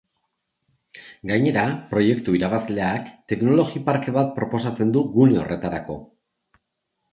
Gainera, proiektu irabazleak teknologi parke bat proposatzen du gune horretarako.